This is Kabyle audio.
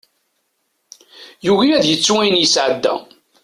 Yugi ad yettu ayen yesɛedda.